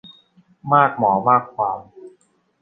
มากหมอมากความ